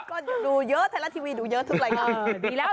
ก็ดูเยอะไทยละทีวีดูเยอะทุกรายการ